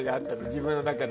自分の中で。